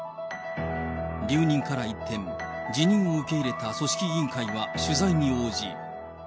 留任から一転、辞任を受け入れた組織委員会は取材に応じ。